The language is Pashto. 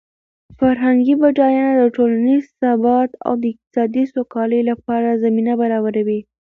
فرهنګي بډاینه د ټولنیز ثبات او د اقتصادي سوکالۍ لپاره زمینه برابروي.